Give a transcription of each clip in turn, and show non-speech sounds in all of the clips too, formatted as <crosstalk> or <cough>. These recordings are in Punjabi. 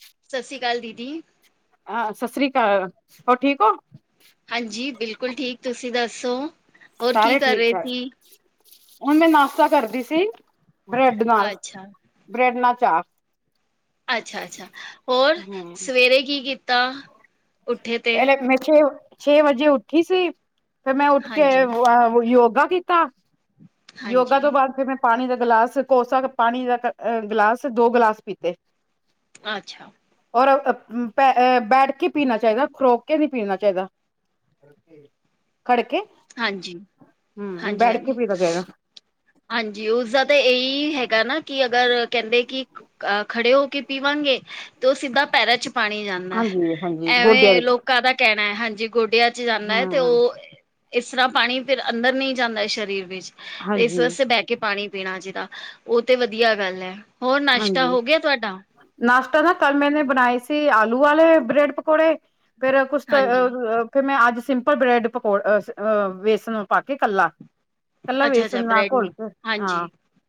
ਹ ਸਾਸਰੀ ਕਾਲ ਦੀਦੀ। ਆ ਸਾਸਰੀ ਕਾਲ ਹੋਰ ਠੀਕ ਓ। ਹਾਂਜੀ ਬਿਲਕੁਲ ਠੀਕ, ਤੁਸੀਂ ਦੱਸੋ ਹੋਰ ਕੀ ਸਾਰੇ ਕਰ ਠੀਕ ਰੇ ਠਾਕ ਸੀ। ਹੁਣ ਮੈਂ ਨਾਸ਼ਤਾ ਕਰਦੀ ਸੀ, ਬ੍ਰੈਡ ਨਾਲ ਅੱਛਾ ਬ੍ਰੈਡ ਨਾਲ ਚਾਅ। ਅੱਛਾ ਅੱਛਾ ਹੋਰ ਹਮ ਸਵੇਰੇ ਕੀ ਕੀਤਾ। ਉੱਠੇ ਤੇ ਪੈਲੇ ਮੈਂ ਛੇ- ਛੇ ਵਜੇ ਉੱਠੀ ਸੀ। ਫੇਰ ਮੈਂ ਉੱਠ ਕੇ ਹਾਂਜੀ ਅ ਵੋ ਯੋਗਾ ਕੀਤਾ, ਯੋਗਾ ਤੋਂ ਹਾਂਜੀ ਬਾਦ ਫਿਰ ਮੈਂ ਪਾਣੀ ਦਾ ਗਲਾਸ ਕੋਸਾ ਕ ਪਾਣੀ ਦਾ ਕ ਗਲਾਸ ਦੋ ਗਲਾਸ ਪੀਤੇ। ਅੱਛਾ। ਔਰ ਪੈ ਅ ਬੈਠ ਕੇ ਪੀਣਾ ਚਾਈਦਾ, ਖਰੋ ਕੇ ਨੀ ਪੀਣਾ ਚਾਈਦਾ। ਖੜ ਕੇ, ਹਾਂਜੀ ਹੂੰ ਹਾਂਜੀ ਬੈਠ ਕੇ ਹਾਂਜੀ ਪੀਣਾ ਚਾਈਦਾ। ਹਾਂਜੀ ਉਸਦਾ ਤਾਂ ਏਈ ਹੈਗਾ ਨਾ ਕੀ ਅਗਰ ਕੈਂਦੇ ਕੀ ਅਆ ਖੜੇ ਹੋ ਕੇ ਪੀਵਾਂਗੇ ਤੇ ਓ ਸਿੱਧਾ ਪੈਰਾਂ 'ਚ ਪਾਣੀ ਜਾਂਦਾ ਐ। ਹਾਂਜੀ ਹਾਂਜੀ ਗੋਡਿਆਂ ਐਵੇਂ ਵਿੱਚ ਲੋਕਾਂ ਦਾ ਕੈਣਾ‌, ਹਾਂਜੀ ਗੋਡਿਆਂ 'ਚ ਜਾਂਦਾ ਐ ਤੇ ਹਮ ਓ ਇਸਰ੍ਹਾਂ ਪਾਣੀ ਫਿਰ ਅੰਦਰ ਨਈ ਜਾਂਦਾ ਸਰੀਰ ਵਿੱਚ। ਹਾਂਜੀ। ਬੈ ਕੇ ਪਾਣੀ ਪੀਣਾ ਚੀਦਾ। ਓ ਤੇ ਵਧੀਆ ਗੱਲ ਐ। ਹੋਰ ਨਾਸ਼ਤਾ ਹੋ ਗਿਆ ਤੁਆਡਾ? ਨਾਸ਼ਤਾ ਨਾ ਕੱਲ ਮੈਨੇ ਬਣਾਏ ਸੀ ਆਲੂ ਆਲੇ ਬ੍ਰੈਡ ਪਕੌੜੇ। ਫੇਰ ਕੁਛ ਤ ਅ ਹਾਂਜੀ ਅ- ਫੇਰ ਮੈਂ ਅੱਜ ਸਿੰਪਲ ਬ੍ਰੈਡ ਪਕੌੜ ਅਸ ਅ ਵੇਸਨ ਪਾ ਕੇ ਕੱਲਾ ਕੱਲਾ ਅੱਛਾ ਅੱਛਾ ਵੇਸਣ ਆਂ ਬ੍ਰੈਡ ਘੋਲ ਨੂੰ ਕੇ ਆਂ। ਹਾਂਜੀ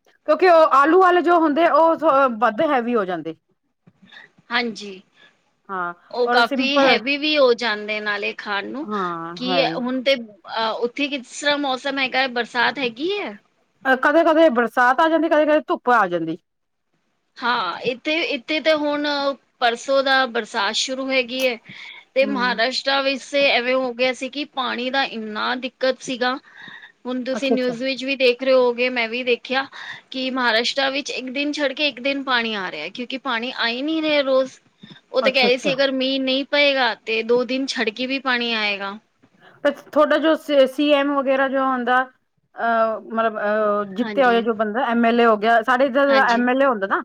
ਕਿਉਂਕਿ ਓ ਆਲੂ ਵਾਲੇ ਜੋ ਹੁੰਦੇ ਓ ਸ ਵੱਧ ਹੈਵੀ ਹੋ ਜਾਂਦੇ। ਹਾਂਜੀ। ਹਾਂ ਓ ਔਰ ਕਾਫ਼ੀ ਸਿੰਪਲ ਹੈਵੀ ਵੀ ਓ ਜਾਂਦੇ ਨਾਲੇ ਖਾਣ ਨੂੰ, ਹਾਂ ਕੀ ਐ ਹੈਵੀ ਹੁਣ ਤੇ ਅ ਓਥੇ ਕਿਸ ਤਰ੍ਹਾਂ ਮੌਸਮ ਹੈਗਾ ਬਰਸਾਤ ਹੈਗੀ ਐ। ਕਦੇ-ਕਦੇ ਬਰਸਾਤ ਆ ਜਾਂਦੀ ਕਦੇ-ਕਦੇ ਧੁੱਪ ਆ ਜਾਂਦੀ। ਹਾਂ ਏਥੇ-ਏਥੇ ਤੇ ਹੁਣ ਪਰਸੋਂ ਦਾ ਬਰਸਾਤ ਸ਼ੁਰੂ ਹੈਗੀ ਐ। ਤੇ ਹਮ ਮਹਾਰਾਸ਼ਟਰਾ ਵਿੱਸੇ ਐਵੇਂ ਹੋ ਗਿਆ ਸੀ ਕੀ ਪਾਣੀ ਦਾ ਏਨਾ ਦਿੱਕਤ ਸੀਗਾ, ਹੁਣ ਤੁਸੀਂ ਅੱਛਾ ਅੱਛਾ ਨਿਊਜ਼ ਵਿੱਚ ਵੀ ਦੇ ਰੇ ਓ ਗੇ। ਮੈਂ ਵੀ ਵੇਖਿਆ ਕੀ ਮਹਾਰਾਸ਼ਟਰਾ ਵਿੱਚ ਇੱਕ ਦਿਨ ਛੱਡ ਕੇ ਇੱਕ ਦਿਨ ਪਾਣੀ ਆ ਰਿਆ, ਕਿਉਂਕਿ ਪਾਣੀ ਆਈ ਨੀ ਰਿਆ ਰੋਜ਼, ਓ ਤਾਂ ਅੱਛਾ ਕੈ ਰੇ ਸੀ ਅੱਛਾ ਅਗਰ ਮੀਂ ਨਈ ਪਏਗਾ। ਤੇ ਦੋ ਦਿਨ ਛੱਡ ਕੇ ਵੀ ਪਾਣੀ ਆਏਗਾ। ਪ ਥੋਡਾ ਜੋ ਸ ਸੀ ਐਮ ਵਗੈਰਾ ਜੋ ਹੁੰਂਦਾ ਅਹ ਮਲਬ ਅਹ ਜਿੱਤਿਆ ਹੋਇਆ ਹਾਂਜੀ ਜੋ ਬੰਦਾ ਐਮ ਐਲ ਏ ਹੋ ਗਿਆ ਸਾਡੇ ਇੱਧਰ ਹਾਂਜੀ ਐਮ ਐਲ ਏ ਹੁੰਦਾ ਨਾ,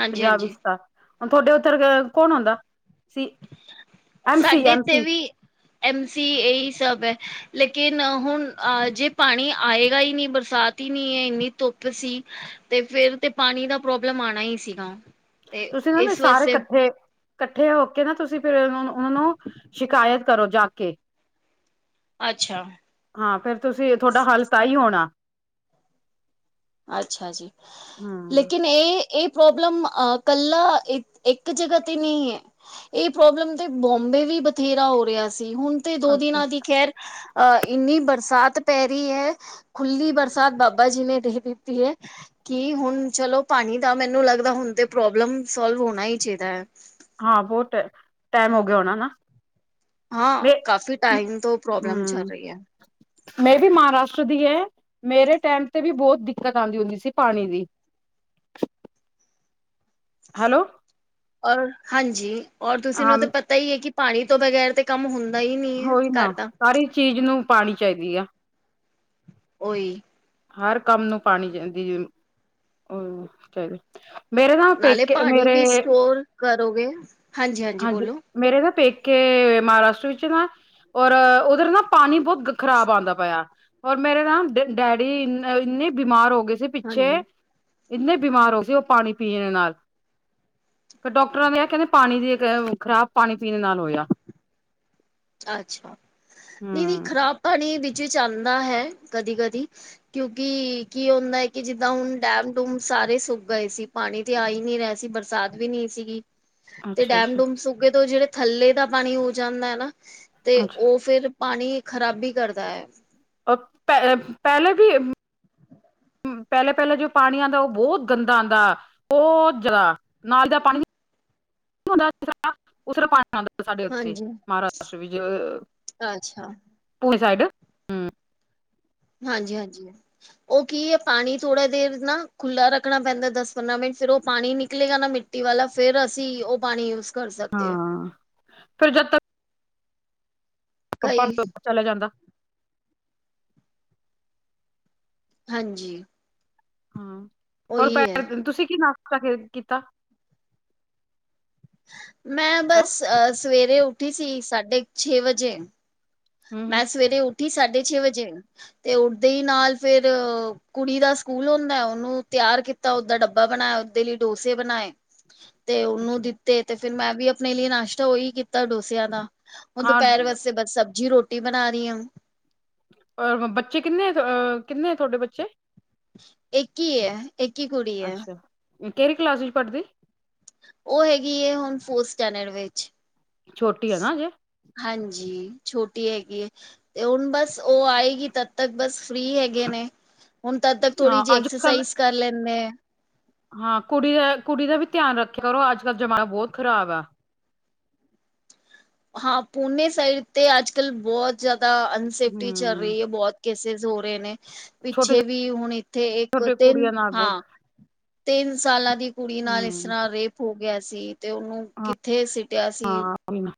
ਹਾਂਜੀ ਪੰਜਾਬ ਵਿੱਚ ਹਾਂਜੀ ਤਾਂ। ਹੁਣ ਥੋਡੇ ਓਥਰ ਅ ਕੌਣ ਹੁੰਦਾ, ਸੀ - ਸਾਡੇ ਏਥੇ ਵੀ ਐਮ ਸੀ, ਏਈ ਸਭ ਐ। ਲੇਕਿਨ ਹੁਣ ਆ ਜੇ ਪਾਣੀ ਆਏਗਾ ਈ ਨੀ, ਬਰਸਾਤ ਈ ਨੀ ਏ ਏਨੀ ਧੁੱਪ ਸੀ ਤੇ ਫੇਰ ਤੇ ਪਾਣੀ ਦਾ ਪ੍ਰੋਬਲਮ ਆਣਾ ਈ ਸੀਗਾ। ਤੇ ਤੁਸੀਂ ਮੈਮ‌ ਏ ਇਸ ਸਾਰੇ ਵਾਸਤੇ ਕੱਠੇ ਕੱਠੇ ਹੋ ਕੇ ਨਾ ਤੁਸੀਂ ਫੇਰ ਓਨਾਂ ਨੂੰ, ਓਨਾਂ ਨੂੰ ਸ਼ਿਕਾਇਤ ਕਰੋ ਜਾ ਕੇ। ਅੱਛਾ। ਹਾਂ ਫੇਰ ਤੁਸੀਂ ਥੋਡਾ ਹੱਲ ਤਾਂ ਈ ਹੋਣਾ। ਅੱਛਾ ਜੀ, ਹਮ ਲੇਕਿਨ ਹੁਣ ਏ, ਏ ਪ੍ਰੋਬਲਮ ਅ ਕੱਲਾ ਇ ਇੱਕ ਜਗ੍ਹਾ ਤੇ ਨੀ ਐ। ਇਹ ਪ੍ਰੋਬਲਮ 'ਤੇ ਬੋਂਬੇ ਵੀ ਬਥੇਰਾ ਹੋ ਰਿਹਾ ਸੀ। ਹੁਣ 'ਤੇ ਦੋ ਅੱਛਾ ਦਿਨਾਂ ਦੀ ਖੈਰ ਅ ਇੰਨੀ ਬਰਸਾਤ ਪੈ ਰੀ ਐ। ਖੁੱਲੀ ਬਰਸਾਤ ਬਾਬਾ ਜੀ ਨੇ ਦੇਹ ਦਿੱ ਤੀ ਐ। ਕੀ ਹੁਣ ਚਲੋ ਪਾਣੀ ਦਾ ਮੈਨੂੰ ਲੱਗਦਾ ਹੁਣ 'ਤੇ ਪ੍ਰੋਬਲਮ ਸੋਲਵ ਹੋਣਾ ਈ ਚਾਈਦਾ ਐ। ਹਾਂ ਬਹੁਤ ਟੇ ਟਾਈਮ ਹੋ ਗਿਆ ਹੋਣਾ ਨਾ। ਹਾਂ ਮੈਂ ਕਾਫ਼ੀ ਟਾਈਮ ਤੋਂ ਪ੍ਰੋਬਲਮ ਚੱਲ ਹਮ ਰੀ ਐ। ਮੈਂ ਵੀ ਮਹਾਰਾਸ਼ਟਰ ਦੀ ਐ। ਮੇਰੇ ਟੇਮ 'ਤੇ ਵੀ ਬਹੁਤ ਦਿੱਕਤ ਆਂਦੀ ਹੁੰਦੀ ਸੀ ਪਾਣੀ ਦੀ। ਹੈਲੋ। ਔਰ ਹਾਂਜੀ ਔਰ ਤੁਸੀਂ ਹਾਂ ਨੂੰ 'ਤੇ ਪਤਾ ਈ ਏ ਕਿ ਪਾਣੀ ਤੋਂ ਬਗੈਰ ਤੇ ਕੰਮ ਹੁੰਦਾ ਈ ਨੀ ਐ ਉਹੀ ਨਾ ਘਰ ਦਾ। ਸਾਰੀ ਚੀਜ ਨੂੰ ਪਾਣੀ ਚਾਹੀਦੀ ਆ। ਓਈ। ਹਰ ਕੰਮ ਨੂੰ ਪਾਣੀ ਚਾਹੀਦੀ ਏ। ਅਹ ਚਾਹੀਦੀ ਨਾਲੇ ਪਾਣੀ ਵੀ ਸਟੋਰ ਕਰੋਗੇ। ਹਾਂਜੀ-ਹਾਂਜੀ ਹਾਂਜੀ ਬੋਲੋ। ਮੇਰੇ ਵੀ ਪੇਕੇ ਮਾਹਾਰਾਸ਼ਟਰ ਵਿੱਚ ਨਾ ਔਰ ਉਧਰ ਨਾਂ ਪਾਣੀ ਬਹੁਤ ਖ ਖ਼ਰਾਬ ਆਂਦਾ ਪਿਆ। ਔਰ ਮੇਰੇ ਨਾ ਡ ਡੈਡੀ ਇ ਇੰਨੇ ਬਿਮਾਰ ਹੋ ਗਏ ਸੀ ਪਿੱਛੇ। ਹਾਂਜੀ ਇੰਨੇ ਬਿਮਾਰ ਹੋ ਸੀ ਉਹ ਪਾਣੀ ਪੀਣ ਨਾਲ। ਫਿਰ ਡੌਕਟਰਾਂ ਦੇ ਆ ਕਹਿੰਦੇ ਪਾਣੀ ਦੀ ਅ ਕ ਖ਼ਰਾਬ ਪਾਣੀ ਪੀਣ ਨਾਲ ਹੋਇਆ। ਅੱਛਾ ਨਹੀਂ- ਨਹੀਂ ਹਮ ਖ਼ਰਾਬ ਤਾਂ ਨੀ। ਵਿੱਚ-ਵਿੱਚ ਆਂਦਾ ਹੈ ਕਦੀ-ਕਦੀ। ਕਿਉਕਿ ਕੀ ਹੁੰਦਾ ਏ ਕਿ ਜਿੱਦਾਂ ਹੁਣ ਡੈਮ ਡੂਮ ਸਾਰੇ ਸੁੱਕ ਗਏ ਸੀ। ਪਾਣੀ ਤੇ ਆ ਈ ਨਹੀਂ ਰਿਹਾ ਸੀ। ਬਰਸਾਤ ਵੀ ਨਹੀਂ ਸੀਗੀ। ਤੇ ਅੱਛਾ ਡੈਮ ਅੱਛਾ ਡੂਮ ਸੁਕਗੇ ਤੋਂ ਜਿਹੜੇ ਥੱਲੇ ਦਾ ਪਾਣੀ ਹੋ ਜਾਂਦਾ ਐ ਨਾਂ ਤੇ ਅੱਛਾ ਉਹ ਫੇਰ ਪਾਣੀ ਖ਼ਰਾਬੀ ਕਰਦਾ ਐ। ਪ ਪੈ ਪਹਿਲੇ ਵੀ ਪਹਿਲੇ-ਪਹਿਲੇ ਜੋ ਪਾਣੀ ਆਂਦਾ, ਉਹ ਬਹੁਤ ਗੰਦਾ ਆਂਦਾ। ਬਹੁਤ ਜਿਆਦਾ ਨਾਲੀ ਦਾ ਪਾਣੀ ਨੀ ਹੁੰਦਾ ਜਿਸ ਤਰ੍ਹਾਂ ਉਸ ਤਰ੍ਹਾਂ ਪਾਣੀ ਸਾਡੇ ਉੱਥੇ ਹਾਂਜੀ ਮਾਹਾਰਾਸ਼ਟਰ ਵਿੱਚ। ਅੱਛਾ ਪੂਨੇ ਸਾਈਡ ਹਾਂਜੀ-ਹਾਂਜੀ। ਉਹ ਕੀ ਹੈ ਪਾਣੀ ਥੋੜ੍ਹਾ ਦੇਰ ਨਾ ਖੁੱਲ੍ਹਾ ਰੱਖਣਾ ਪੈਂਦੈ ਦਸ-ਪੰਦਰਾਂ ਮਿੰਟ। ਫਿਰ ਉਹ ਪਾਣੀ ਨਿਕਲੇਗਾ ਨਾ ਮਿ ਮਿੱਟੀ ਵਾਲਾ ਫਿਰ ਅਸੀਂ ਉਹ ਪਾਣੀ ਯੁਸ ਹਾਂ ਫਿਰ ਜਦ ਤਕ ਪਰ ਕਈ ਚਲਿਆ ਜਾਂਦਾ ਹਾਂਜੀ। ਹਾਂ ਹੋਰ ਉਹੀ ਹੈ ਭੈਣ। ਤੁਸੀਂ ਕੀ ਨਾਸ਼ਤਾ ਕੀਤਾ? ਮੈਂ ਹੂੰ ਬਸ ਅ ਸਵੇਰੇ ਉੱਠੀ ਸੀ ਸਾਢੇ ਛੇ ਵਜੇ। ਹੂੰ ਮੈਂ ਸਵੇਰੇ ਉੱਠੀ ਸਾਢੇ ਛੇ ਵਜੇ। ਤੇ ਉੱਠਦੇ ਹੀ ਨਾਲ ਫੇਰ ਕੁੜੀ ਦਾ ਸਕੂਲ ਹੁੰਦੈ ਉਹਨੂੰ ਤਿਆਰ ਕੀ ਤਾਂ ਓਦਾ ਡੱਬਾ ਬਣਾਇਆ। ਓਦੇ ਲਈ ਡੋਸੇ ਬਣਾਏ। ਤੇ ਉਹਨੂੰ ਅੱਛਾ ਦਿੱਤੇ ਤੇ ਫਿਰ ਮੈਂ ਵੀ ਅਪਣੇ ਲਈ ਨਾਸ਼ਤਾ ਉਹੀ ਕੀਤਾ ਡੋਸਿਆਂ ਦਾ। ਹੁਣ ਹਾਂ ਦੁਪਹਿਰ ਵਸਤੇ ਬਸ ਸਬਜੀ ਰੋਟੀ ਬਣਾ ਰਹੀ ਆਂ। ਔਰ ਬੱਚੇ ਕਿੰਨੇ ਅ ਕਿੰਨੇ ਹੈ ਤੁਹਾਡੇ ਬੱਚੇ? ਇੱਕ ਈ ਐ। ਇੱਕ ਈ ਕੁੜੀ ਹੈ ਅੱਛਾ। ਕਿਹੜੀ ਕਲਾਸ ਵਿੱਚ ਪੜ੍ਹਦੀ? ਉਹ ਹੈਗੀ ਏ ਹੁਣ ਫੋਰ ਸਟੈਂਨਰ ਵਿੱਚ। ਛੋਟੀ ਐ ਨਾਂ ਅਜੇ। ਹਾਂਜੀ ਛੋਟੀ ਹੈਗੀ ਏ, ਤੇ ਹੁਣ ਬਸ ਉਹ ਆਏਗੀ ਤਾ ਤ ਬਸ ਫ੍ਰਰੀ ਹੈਗੇ ਨੇ, ਹੁਣ ਤਦ ਤੱਕ ਥੋੜੀ ਹਾਂ ਜੀ ਅੱਜ ਕੱਲ ਐਕਸਰਸਾਈਜ਼ ਕਰ ਲੈਨੇ ਐ। ਹਾਂ ਕੁੜੀ ਐ, ਕੁੜੀ ਦਾ ਵੀ ਧਿਆਨ ਰੱਖਿਆ ਕਰੋ। ਅੱਜ- ਕੱਲ੍ਹ ਜਮਾਨਾ ਬਹੁਤ ਖਰਾਬ ਆ। ਹਾਂ, ਪੂਨੇ ਸਾਈਡ ਤੇ ਅੱਜ- ਕੱਲ ਬਹੁਤ ਜਿਆਦਾ ਅਨਸੇਫਟੀ ਚੱਲ ਰਹੀ ਹੂੰ ਏ ਬਹੁਤ ਕੇਸਿਸ ਹੋ ਰਹੇ ਨੇ, ਛੋਟੇ ਪਿੱਛੇ ਵੀ ਹੁਣ ਇੱਥੇ ਇੱਕ ਛੋਟੇ ਤਿੰਨ ਕੁੜੀਆਂ ਨਾਲ ਬਹੁਤ ਹਾਂ, ਤਿੰਨ ਸਾਲਾਂ ਦੀ ਕੁੜੀ ਨਾਲ ਇਸ ਹੂੰ ਤਰ੍ਹਾਂ ਰੇਪ ਹੋ ਗਿਆ ਸੀ। ਤੇ ਉਹਨੂੰ ਹਾਂ ਕਿੱਥੇ ਸਿਟਿਆ ਸੀ। <unintelligible>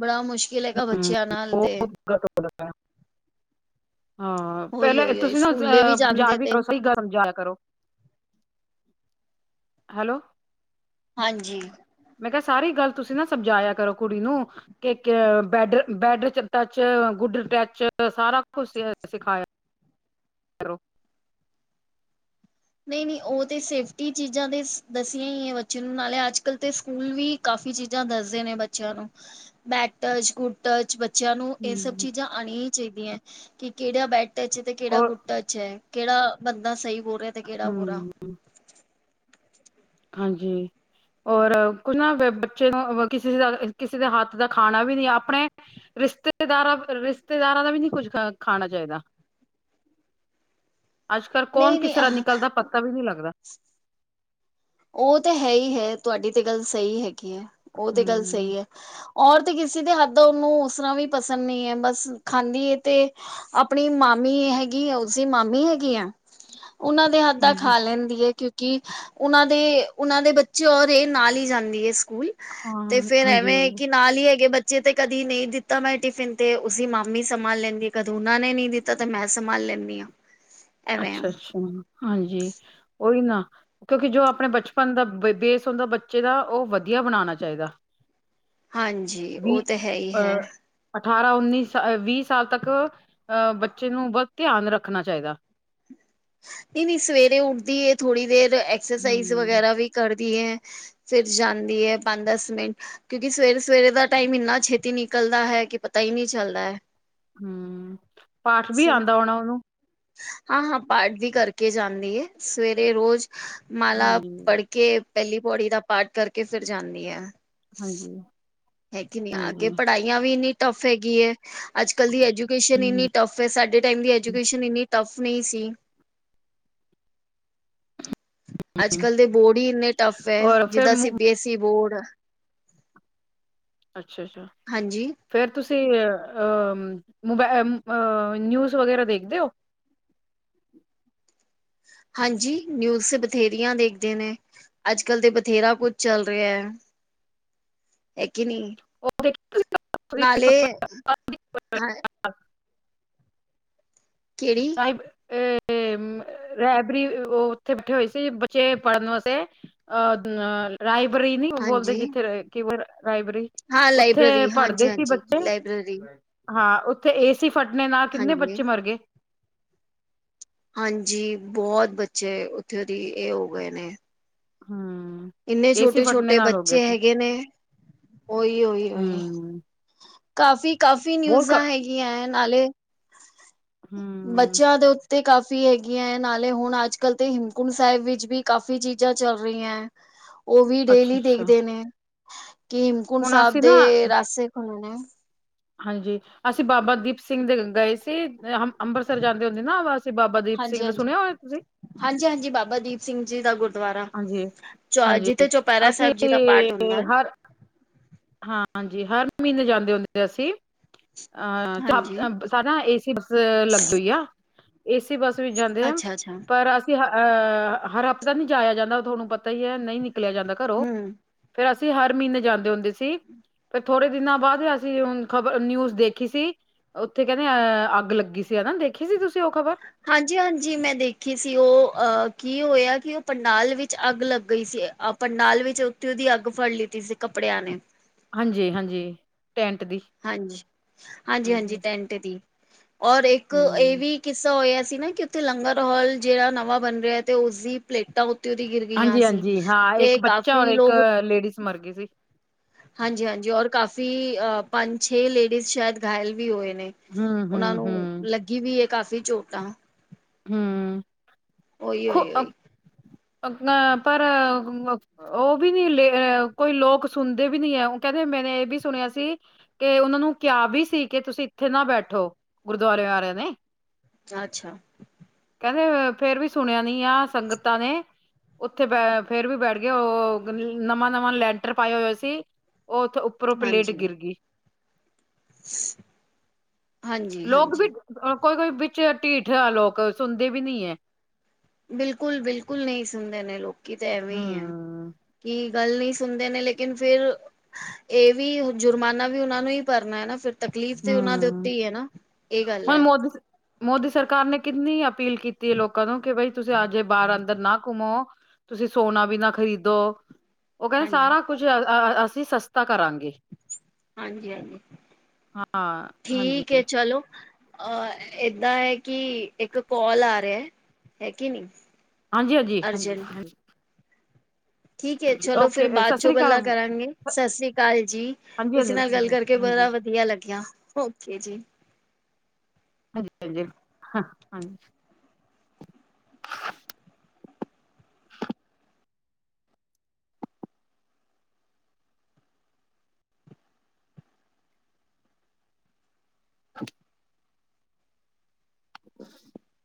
ਬੜਾ ਮੁਸ਼ਕਿਲ ਹੈਗਾ ਹੂੰ, ਬੱਚਿਆਂ ਨਾਲ ਤੇ। <inaudible> ਹਾਂ ਉਹੀ ਪਹਿਲਾਂ ਉਹੀ ਉਹੀ ਤੁਸੀਂ ਨਾ ਸਕੂਲੇ ਵੀ ਅ ਜਾ ਜਾਂਦੇ ਕੇ ਤੇ ਗਰੋਸਰੀ ਕਰਨ ਜਾਇਆ ਕਰੋ। ਹੈਲੋ ਹਾਂਜੀ ਮੈਂ ਕਿਹਾ ਸਾਰੀ ਗੱਲ ਤੁਸੀਂ ਨਾ ਸਮਝਾਇਆ ਕਰੋ ਕੁੜੀ ਨੂੰ ਕ ਬੈਡਰ, ਬੈਡਰ ਟੱਚ, ਗੁੱਡੈ ਟੱਚ ਸਾਰਾ ਸਾਰਾ ਕੁਛ ਐਸ ਯ ਕਰੋ ਨਈ, ਨਈ ਉਹ ਤੇ ਸੇਫਟੀ ਚੀਜ਼ਾਂ ਦੇ ਦੱਸੀਆਂ ਈ ਏ ਬੱਚੇ ਨੂੰ, ਨਾਲੇ ਅੱਜ- ਕੱਲ ਤੇ ਸਕੂਲ ਵੀ ਕਾਫੀ ਚੀਜ਼ਾਂ ਦੱਸਦੇ ਨੇ ਬੱਚਿਆਂ ਨੂੰ, ਬੇਟਜ, ਸਕੂਟਜ ਬੱਚਿਆਂ ਨੂੰ ਇਹ ਸਭ ਹੂੰ। ਚੀਜ਼ਾਂ ਆਨੀਆ ਈ ਚਾਈਦੀਆਂ, ਕਿ ਕਿਹੜਾ ਬੈਟਜ ਚ ਤੇ ਕਿਹੜਾ ਔਰ ਬੁ ਅੱਛਾ ਕਿਹੜਾ ਬੰਦਾ ਸਈ ਬੋਲ ਰਿਹਾ ਤੇ ਕਿਹੜਾ ਬੁਰਾ ਹੂੰ, ਹਾਂਜੀ ਔਰ ਕੁਝ ਨਾ ਬ ਬੱਚੇ ਨੂੰ ਕਿਸੇ ਦ ਕਿਸੇ ਦੇ ਹੱਥ ਦਾ ਖਾਣਾ ਵੀ ਨਈ ਆਪਣੇ ਰਿਸ਼ਤੇਦਾਰਾਂ, ਰਿਸ਼ਤੇਦਾਰਾਂ ਦਾ ਵੀ ਨਈ ਕੁਝ ਖ ਖਾਣਾ ਚਾਈਦਾ। ਅੱਜਕੱਲ ਕੌਣ ਨਹੀਂ ਕਿਸ ਨਹੀਂ ਤਰ੍ਹਾਂ ਨਿਕਲਦਾ ਪਤਾ ਵੀ ਨਈ ਲੱਗਦਾ। ਉਹ ਤੇ ਹੈ ਹੀ ਹੈ ਤੁਹਾਡੀ ਤੇ ਗੱਲ ਸਹੀ ਹੈਗੀ ਐ। ਉਹ ਤੇ ਗੱਲ ਸਹੀ ਹੂੰ, ਏ। ਔਰਤ ਕਿਸੇ ਦੇ ਹੱਥੋਂ ਉਨੂੰ ਉਸ ਤਰਾਂ ਵੀ ਪਸੰਦ ਨਈ ਐ, ਬਸ ਖਾਂਦੀ ਐ ਤੇ ਆਪਣੀ ਮਾਮੀ ਹੈਗੀ ਐ, ਉਸੀ ਮਾਮੀ ਹੈਗੀ ਐ ਉਹਨਾਂ ਹੱਧਾ ਹੂੰ। ਖਾ ਲੈਂਦੀ ਐ ਕਿਉਂਕਿ ਉਨਾਂ ਦੇ, ਉਨਾਂ ਦੇ ਬੱਚੇ ਔਰ ਇਹ ਨਾਲ ਈ ਜਾਂਦੀ ਐ ਸਕੂਲ ਤੇ ਹਾਂ, ਫਿਰ ਐਵੇ ਹਾਂਜੀ-ਹਾਂਜੀ, ਕਿ ਤਾਲੀ ਹੈਗੇ ਬੱਚੇ ਤੇ ਕਦੀ ਨਹੀਂ ਦਿੱਤਾ ਮੈਂ ਟਿਫਨ, ਤੇ ਉਸੀ ਮਾਮੀ ਸਮਾਂ ਲੈਦੀ, ਕਦ ਉਹਨਾਂ ਨੇ ਨੀ ਕਦੇ ਮੈਂ ਸੰਭਾਲ ਲੈਨੀ ਆ। ਅੱਛਾ, ਅੱਛਾ ਹਾਂਜੀ, ਉਈ ਨਾ ਕਿਉਂਕਿ ਜੋ ਆਪਣੇ ਬਚਪਨ ਦਾ ਬ ਬੇਸ ਹੁੰਦਾ ਬੱਚੇ ਦਾ ਉਹ ਵਧੀਆ ਬਨਾਨਾ ਚਾਈਦਾ। ਹਾਂਜੀ ਵੀ ਉਹ ਤੇ ਹੈ ਹੀ ਅਹ ਹੈ ਅਠਾਰਾ, ਉਨੀ ਸ ਅ ਵੀਹ ਸਾਲ ਤੱਕ ਅ ਬੱਚੇ ਨੂੰ ਬਤ ਧਿਆਨ ਰੱਖਣਾ ਚਾਈਦਾ। ਇਹ ਵੀ ਸਵੇਰੇ ਉਠਦੀ ਐ, ਥੋੜੀ ਦੇਰ ਐਕਸਰਸਾਈਜ਼ ਹੂੰ, ਵਗੈਰਾ ਵੀ ਕਰਦੀ ਐ। ਫਿਰ ਜਾਂਦੀ ਐ ਪੰਜ, ਦਸ ਮਿੰਟ ਕਿਉਂਕਿ ਸਵੇਰੇ- ਸਵੇਰੇ ਦਾ ਟਾਈਮ ਇਨਾ ਛੇਤੀ ਨਿਕਲਦਾ ਹੈ ਕਿ ਪਤਾ ਈ ਨਈ ਚਲਦਾ ਐ। ਹੁਮ, ਪਾਠ ਵੀ ਆਂਦਾ ਹੋਣਾ ਉਹਨੂੰ ਹਾਂ, ਹਾ ਪਾਠ ਵੀ ਕਰਕੇ ਜਾਂਦੀ ਏ, ਸਵੇਰੇ ਰੋਜ ਮਾਲਾ ਹਾਂਜੀ। ਪੜ ਕਿ ਪਹਿਲੀ ਪੋੜੀ ਦਾ ਪਾਠ ਕਰਕੇ ਫਿਰ ਜਾਨੀ ਏ। ਹਾਂਜੀ ਹੇ ਕ ਨੀ ਅੱਗੇ ਹਾਂਜੀ, ਪੜਾਈਆਂ ਵੀ ਐਨੀ ਟਫ ਹੈਗੀ ਐ, ਅੱਜ ਕੱਲ ਦੀ ਐਜੂਕੇਸ਼ਨ ਹੂੰ, ਇਨੀ ਟਫ ਏ ਸਾਡੇ ਟਾਈਮ ਦੀ ਐਜੂਕੇਸ਼ਨ ਇਨੀ ਟਫ ਨਹੀਂ ਸੀ ਅੱਜਕੱਲ ਦੇ ਬੋਡ ਈ ਇੰਨੇ ਟੱਫ ਏ ਔਰ ਫਿਰ ਜਿੱਦਾਂ ਸੀਂ ਬੀ ਐਸ ਏ ਬੌਰਡ ਅੱਛਾ ਅੱਛਾ ਹਾਂਜੀ ਫਿਰ ਤੁਸੀਂ ਅ ਨਿਊਜ਼ ਵਗੈਰਾ ਦੇਖਦੇ ਔ ਹਾਂਜੀ ਨਿਊਜ ਬਥੇਰੀਆਂ ਦੇਖਦੇ ਨੇ ਅੱਜ ਕੱਲ ਦੇ ਬਥੇਰਾ ਕੁਝ ਚੱਲ ਰਿਹਾ ਹੈ ਕਿ ਨਹੀ ਉ <unintelligible> ਨਾਲੇ ਹਾਂ ਕਿਹੜੀ ਅ ਰਹਿਬਰੀ ਉਹ ਉੱਥੇ ਬੈਠੇ ਹੋਏ ਸੀ ਬੱਚੇ ਪੜ੍ਹਨ ਵਾਸਤੇ ਅਹ ਰਾਇਬ੍ਰੇਰੀ ਨੀ ਬੋਲਦੇ ਹਾਂਜੀ ਜਿੱਥੇ ਕਿ ਰਾਇਬ੍ਰੇਰੀ ਹਾਂ ਉੱਥੇ ਲਾਇਬ੍ਰੇਰੀ ਹਾਂਜੀ ਪੜ੍ਹਦੇ ਸੀ ਹਾਂਜੀ ਬੱਚੇ ਲਾਇਬ੍ਰੇਰੀ ਹਾਂ ਉੱਥੇ ਏਸੀ ਫੱਟਨੇ ਨਾਲ ਕਿੰਨੇ ਹਾਂਜੀ ਬੱਚੇ ਮਰ ਗਏ ਹਾਂਜੀ ਬਹੁਤ ਬੱਚੇ ਉੱਥੌ ਦੀ ਇਹ ਹੋ ਗਏ ਨੇ ਹਾਂ ਇੰਨੇ ਛੋਟੇ ਛੋਟੇ ਬੱਚੇ ਹੈਗੇ ਨੇ ਓਹੀ ਓਹੀ ਓਹੀ ਹਮ ਕਾਫੀ ਕਾਫੀ ਬਹੁਤ ਨਿਊਜਾਂ ਹੈਗੀਆਂ ਏ ਨਾਲੇ ਹਮ ਬੱਚਿਆਂ ਦੇ ਉੱਤੇ ਕਾਫ਼ੀ ਹੈਗੀਆਂ ਏ ਨਾਲੇ ਹੁਣ ਅੱਜ ਕੱਲ੍ਹ ਤੇ ਹਿਮਕੁੰਟ ਸਾਹਿਬ ਵਿੱਚ ਵੀ ਕਾਫੀ ਚੀਜ਼ਾਂ ਚੱਲ ਰਹੀਆ ਉਹ ਵੀ ਅੱਛਾ ਡੇਲੀ ਅੱਛਾ ਦੇਖਦੇ ਨੇ ਕਿ ਹਿਮਕੁੰਟ ਹੁਣ ਸਾਹਿਬ ਅਸੀਂ ਨਾ ਦੇ ਰਾਸਤੇ ਖੁੱਲ ਨੇ ਹਾਂਜੀ ਅਸੀਂ ਬਾਬਾ ਦੀਪ ਸਿੰਘ ਦੇ ਗਏ ਸੀ ਹਮ ਅੰਬਰਸਰ ਜਾਂਦੇ ਹੁੰਦੇ ਨਾ ਬਾਬਾ ਦੀਪ ਸਿੰਘ ਦਾ ਸੁਣਿਆ ਹੋਇਆ ਤੁਸੀਂ ਹਾਂਜੀ-ਹਾਂਜੀ ਬਾਬਾ ਦੀਪ ਸਿੰਘ ਜੀ ਦਾ ਗੁਰ ਦੁਆਰਾ ਹਾਂਜੀ ਚ ਹਾਂਜੀ ਜਿੱਥੇ ਚੌਪਹਿਰਾ ਅਸੀਂ ਸਾਹਿਬ ਜੀ ਦਾ ਪਾਠ ਹੁੰਦਾ ਏ ਹਾਂ ਹਾਂਜੀ ਹਰ ਮਹੀਨੇ ਜਾਂਦੇ ਹੁੰਦੇ ਅਸੀ ਅਹ ਹਾਂਜੀ ਚਪ ਸਾਰਾ ਏਸੀ ਬੱਸ ਲੱਗ ਗਈ ਆ ਏਸੀ ਬੱਸ ਵੀ ਜਾਂਦੇ ਆ, ਅੱਛਾ ਅੱਛਾ ਪਰ ਅਸੀ ਅਹ ਹਰ ਹਫਤੇ ਨਹੀਂ ਜਾਇਆ ਜਾਂਦਾ ਤੁਹਾਨੂੰ ਪਤਾ ਈ ਏ ਨਹੀਂ ਨਿਕਲਿਆ ਜਾਂਦਾ ਘਰੋਂ ਹਮ ਫੇਰ ਅਸੀਂ ਹਰ ਮਹੀਨੇ ਜਾਂਦੇ ਹੁੰਦੇ ਸੀ ਸੀ ਥੋੜੇ ਦਿਨਾਂ ਬਾਅਦ ਅਸੀਂ ਹੁਣ ਖਬਰ ਨਿਊਜ ਦੇਖੀ ਸੀ ਉੱਥੇ ਕਹਿੰਦੇ ਅ ਅੱਗ ਲੱਗੀ ਸੀ ਹੈਨਾ ਦੇਖੀ ਸੀ ਤੁਸੀਂ ਉਹ ਖ਼ਬਰ ਹਾਂਜੀ ਹਾਂਜੀ ਮੈਂ ਦੇਖੀ ਸੀ ਉਹ ਅਹ ਕੀ ਹੋਇਆ ਕਿ ਉਹ ਪੰਡਾਲ ਵਿੱਚ ਅੱਗ ਲੱਗ ਗਈ ਸੀ ਪੰਡਾਲ ਵਿੱਚ ਉੱਥੋ ਉਹਦੀ ਅੱਗ ਫੜ ਲੀਤੀ ਸੀ ਕੱਪੜਿਆਂ ਨੇ ਹਾਂਜੀ-ਹਾਂਜੀ ਟੈਂਟ ਦੀ ਹਾਂਜੀ-ਹਾਂਜੀ-ਹਾਂਜੀ ਹਾਂਜੀ ਟੈਂਟ ਦੀ ਔਰ ਇੱਕ ਹਮ ਇਹ ਵੀ ਕਿੱਸਾ ਹੋਇਆ ਸੀ ਨਾ ਕਿ ਉੱਥੇ ਲੰਗਰ ਹੋਲ ਜਿਹੜਾ ਨਵਾਂ ਬਣ ਰਿਹਾ ਤੇ ਉਸਦੀ ਪਲੇਟਾਂ ਉਹਦੀ ਗਿਰ ਗਈਆਂ ਸੀ ਹਾਂਜੀ-ਹਾਂਜੀ ਹਾਂ ਤੇ ਇੱਕ ਬੱਚਾ ਔਰ ਕਾਫੀ ਇੱਕ ਲੋਕ ਲੇਡੀਜ਼ ਮਰ ਗਈ ਸੀ ਹਾਂਜੀ-ਹਾਂਜੀ ਔਰ ਕਾਫ਼ੀ ਅ ਪੰਜ ਛੇ ਲੇਡੀਜ਼ ਸ਼ਾਇਦ ਘਾਇਲ ਵੀ ਹੋਏ ਨੇ ਹਮ ਉਹਨਾਂ ਹਮ ਨੂੰ ਹਮ ਲੱਗੀ ਵੀ ਏ ਕਾਫ਼ੀ ਚੋਟਾ <unintelligible> ਓਹੀ-ਓਹੀ-ਓਹੀ ਉਹ ਵੀ ਨੀ ਲੇ ਕੋਈ ਲੋਕ ਸੁਣਦੇ ਵੀ ਨੀ ਹੈ। ਉਹ ਕਹਿੰਦੇ ਮੈਨੇ ਇਹ ਵੀ ਸੁਣਿਆ ਸੀ ਕੇ ਉਹਨਾਂ ਨੂੰ ਕਿਆ ਵੀ ਸੀ ਕਿ ਤੁਸੀਂ ਇੱਥੇ ਨਾ ਬੈਠੋ ਗੁਰਦੁਆਰੇ ਵਾਲਿਆਂ ਨੇ ਅੱਛਾ ਕਹਿੰਦੇ ਫੇਰ ਵੀ ਸੁਣਿਆ ਨੀ ਆ ਸੰਗਤਾਂ ਨੇ, ਉੱਥੇ ਬ ਫੇਰ ਵੀ ਬੈਠ ਗੇ ਉਹ ਨਵਾਂ ਨਵਾਂ ਲੈਂਟਰ ਪਾਏ ਹੋਇਆ ਸੀ। ਉਹ ਉੱਥੇ ਉੱਪਰੋਂ ਪਲੇਟ ਗਿਰ ਗੀ। ਹਾਂਜੀ। ਲੋਕ ਵੀ ਹਾਂਜੀ-ਹਾਂਜੀ ਕੋਈ ਕੋਈ ਵਿੱਚ ਢੀਠ ਆ ਲੋਕ ਸੁਣਦੇ ਵੀ ਨੀ ਐ। ਬਿਲਕੁਲ ਬਿਲਕੁਲ ਨੀ ਸੁਣਦੇ ਨੇ ਲੋਕੀ ਤਾਂ ਐਵੇਂ ਈ ਆ। ਹਮ ਕੀ ਗੱਲ ਨੀ ਸੁਣਦੇ ਨੇ ਲੇਕਿਨ ਫਿਰ ਇਹ ਵੀ ਜੁਰਮਾਨਾ ਵੀ ਉਹਨਾਂ ਨੂੰ ਈ ਭਰਨਾ ਐ ਨਾ ਫਿਰ ਤਕਲੀਫ਼ ਤੇ ਉਹਨਾਂ ਦੇ ਹਮ ਉੱਤੇ ਈ ਐ ਨਾ ਇਹ ਗੱਲ ਹੁਣ ਐ। ਮੋਦੀ ਮੋਦੀ ਸਰਕਾਰ ਨੇ ਕਿੰਨੀ ਅਪੀਲ ਕੀਤੀ ਐ, ਲੋਕਾਂ ਨੂੰ ਕਿ ਬਈ ਤੁਸੀਂ ਅਜੇ ਬਾਰ ਆ। ਇਧਰ ਨਾ ਘੁੰਮੋ, ਤੁਸੀਂ ਸੋਨਾ ਵੀ ਨਾ ਖਰੀਦੋ, ਉਹ ਕਹਿੰਦੇ ਸਾਰਾ ਕੁਝ ਅ ਅਸੀਂ ਸਸਤਾ ਕਰਾਂਗੇ। ਹਾਂਜੀ ਹਾਂਜੀ, ਹਾਂ ਹਾਂਜੀ ਠੀਕ ਐ ਚਲੋ। ਅਹ ਏਦਾਂ ਐ ਕਿ ਇੱਕ ਕੋਲ ਆ ਰਿਆ, ਹੈ ਕਿ ਨੀ ਹਾਂਜੀ ਹਾਂਜੀ ਹਾਂਜੀ ਹਾਂਜੀ। ਠੀਕ ਐ ਚਲੋ ਫਿਰ ਓਕੇ ਬਾਦ ਸਤਿ ਚੋਂ ਸ੍ਰੀ ਗੱਲਾਂ ਅਕਾਲ ਕਰਾਂਗੇ ਸਤਿ ਸ੍ਰੀ ਅਕਾਲ ਜੀ। ਹਾਂਜੀ ਤੁਸੀਂ ਹਾਂਜੀ ਸਤਿ ਨਾਲ ਸ੍ਰੀ ਗੱਲ ਅਕਾਲ ਕਰਕੇ ਬੜਾ ਹਾਂਜੀ ਵਧੀਆ ਲੱਗਿਆ, ਓਕੇ ਜੀ। ਹਾਂਜੀ ਹਾਂਜੀ, ਹਾਂ ਹਾਂਜੀ। <inaudible> <inaudible>